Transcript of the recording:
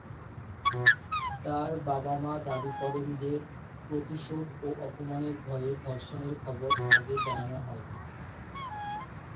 তার বাবা-মা দাবি করেন যে, প্রতিশোধ ও অপমানের ভয়ে ধর্ষণের খবর আগে জানানো হয়নি।